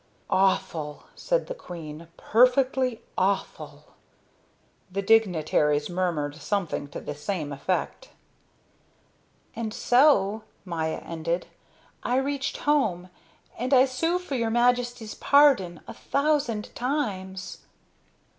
"Awful," said the queen, "perfectly awful...." The dignitaries murmured something to the same effect. "And so," Maya ended, "I reached home. And I sue for your Majesty's pardon a thousand times."